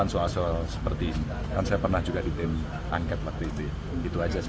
saya pernah juga di tim angkat waktu itu